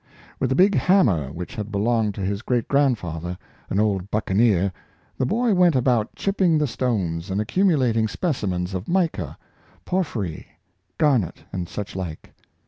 With a big hammer which had belonged io his His Booh of Nature, 271 great grandfather, an old buccaneer, the boy went about chipping the stones, and accumulating specimens of mica, porphyry, garnet, and such like.